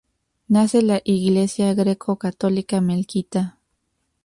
Nace la Iglesia greco-católica melquita.